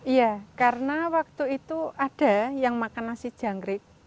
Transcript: iya karena waktu itu ada yang makan nasi jangkrik